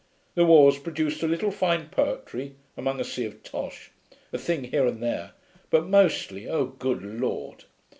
The war's produced a little fine poetry, among a sea of tosh a thing here and there; but mostly oh, good Lord!